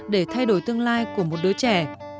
để thay đổi tương lai của một đứa trẻ